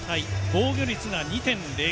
防御率が２．０９。